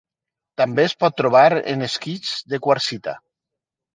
També es pot trobar en esquists de quarsita.